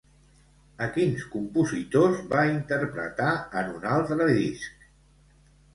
A quins compositors va interpretar en un altre disc?